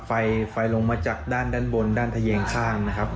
ไฟไฟลงมาจากด้านด้านบนด้านทะเยงข้างนะครับ